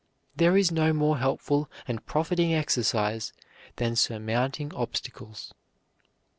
There is no more helpful and profiting exercise than surmounting obstacles."